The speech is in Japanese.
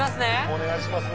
「お願いします」